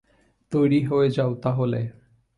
তৈরি হয়ে যাও তাহলে।